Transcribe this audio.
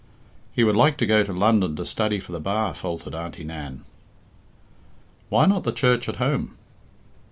"He would like to go to London to study for the bar," faltered Auntie Nan. "Why not the church at home?"